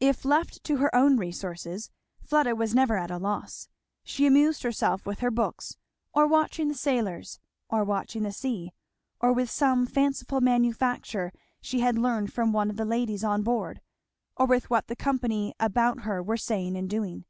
If left to her own resources Fleda was never at a loss; she amused herself with her books, or watching the sailors, or watching the sea, or with some fanciful manufacture she had learned from one of the ladies on board, or with what the company about her were saying and doing.